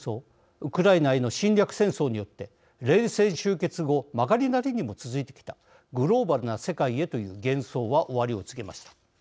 ウクライナへの侵略戦争によって冷戦終結後、曲がりなりにも続いてきたグローバルな世界へという幻想は終わりを告げました。